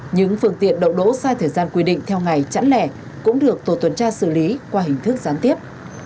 những phương tiện đậu đỗ sai thời gian quy định theo ngày chẵn lẻ cũng được tổ tuần tra xử lý qua hình thức gián tiếp